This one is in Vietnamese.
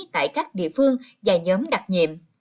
tại các địa phương và nhóm đặc nhiệm